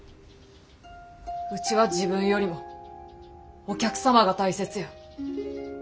ウチは自分よりもお客様が大切や。